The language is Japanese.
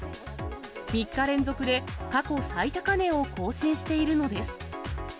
３日連続で過去最高値を更新しているのです。